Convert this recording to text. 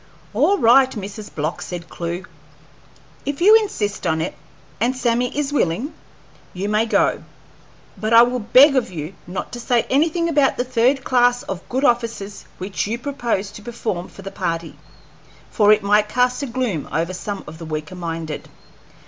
"All right, Mrs. Block," said Clewe. "If you insist on it, and Sammy is willing, you may go; but I will beg of you not to say anything about the third class of good offices which you propose to perform for the party, for it might cast a gloom over some of the weaker minded."